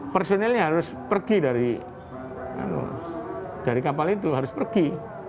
personilnya harus pergi dari kapal itu harus pergi